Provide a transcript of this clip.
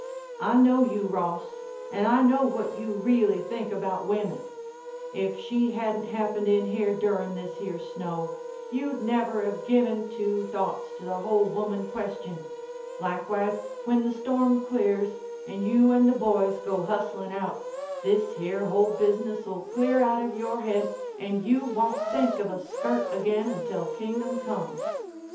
I know you, Ross, and I know what you reely think about women. If she hadn't happened in here durin' this here snow, you'd never have given two thoughts to the whole woman question. Likewise, when the storm clears, and you and the boys go hustlin' out, this here whole business 'll clear out of your head and you won't think of a skirt again until Kingdom Come.